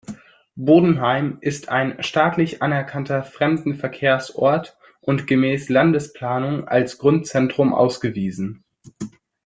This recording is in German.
Bodenheim ist ein staatlich anerkannter Fremdenverkehrsort und gemäß Landesplanung als Grundzentrum ausgewiesen.